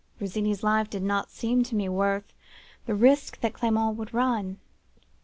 Virginie's life did not seem to me worth the risk that Clement's would run.